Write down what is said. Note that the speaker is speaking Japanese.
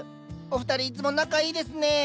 お二人いつも仲いいですね。